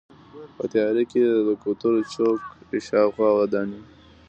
په تیاره کې د کوترو چوک شاوخوا ودانۍ.